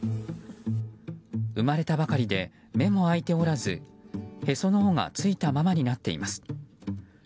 生まれたばかりで目も開いておらずへその緒がついたままになっています。